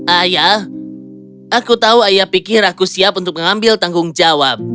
ayah aku tahu ayah pikir aku siap untuk mengambil tanggung jawab